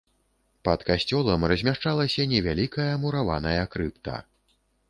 Пад касцёлам размяшчалася невялікая мураваная крыпта.